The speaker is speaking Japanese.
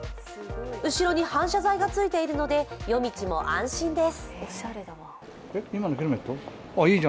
後ろに反射材がついているので夜道も安心です。